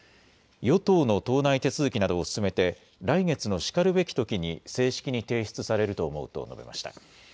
与党の党内手続きなどを進めて来月のしかるべきときに正式に提出されると思うと述べました。